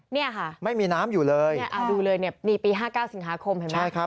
นี่ค่ะดูเลยนี่ปี๕๙สิงหาคมเห็นไหมครับนี่ค่ะ